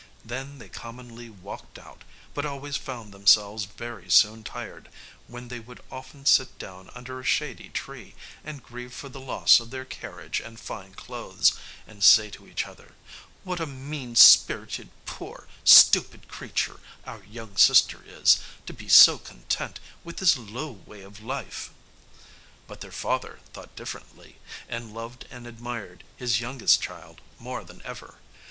Then they commonly walked out, but always found themselves very soon tired, when they would often sit down under a shady tree, and grieve for the loss of their carriage and fine clothes, and say to each other, "What a mean spirited, poor, stupid creature our young sister is, to be so content with this low way of life!" But their father thought differently, and loved and admired his youngest child more than ever.